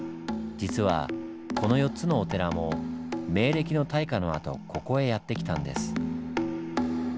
実はこの４つのお寺も明暦の大火の後ここへやって来たんです。